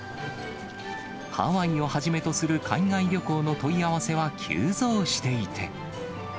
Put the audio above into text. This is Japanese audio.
ハワイをはじめとする海外旅行の問い合わせは急増していて。